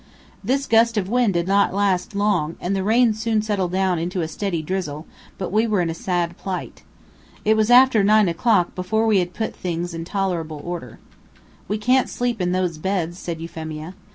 This gust of wind did not last long, and the rain soon settled down into a steady drizzle, but we were in a sad plight. It was after nine o'clock before we had put things into tolerable order. "We can't sleep in those beds," said Euphemia.